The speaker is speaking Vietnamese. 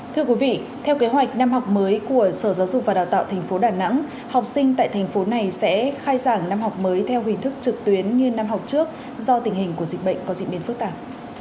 thưa quý vị theo kế hoạch năm học mới của sở giáo dục và đào tạo tp đà nẵng học sinh tại thành phố này sẽ khai giảng năm học mới theo hình thức trực tuyến như năm học trước do tình hình của dịch bệnh có diễn biến phức tạp